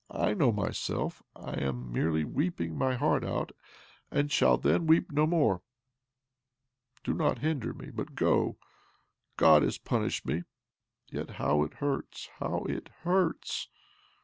I know myself. I am merely weeping my heart out, and shall then weep no more. Do not hinder me, but go. God has punished me. Yet how it hurts, how it hurts